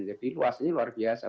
jadi luasnya luar biasa